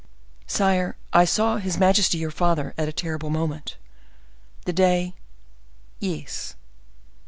"Sire, I saw his majesty your father at a terrible moment." "The day—" "Yes."